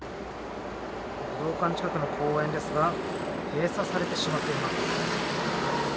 武道館近くの公園ですが閉鎖されてしまっています。